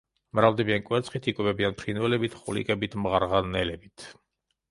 მრავლდებიან კვერცხით, იკვებებიან ფრინველებით, ხვლიკებით, მღრღნელებით.